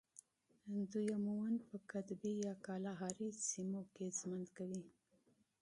دوی عموماً په قطبي یا کالاهاري سیمو کې ژوند کوي.